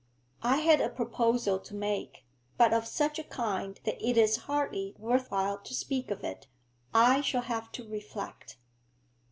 'I had a proposal to make, but of such a kind that it is hardly worth while to speak of it. I shall have to reflect.'